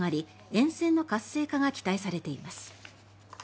沿線の活性化が期待されています。